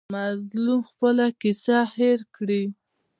مظلوم خپله کیسه هېر کړي.